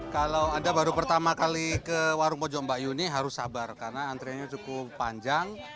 kalau anda baru pertama kali ke warung bojong mbak yuni harus sabar karena antriannya cukup panjang